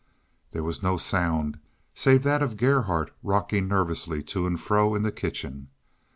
There was no sound save that of Gerhardt rocking nervously to and fro in the kitchen.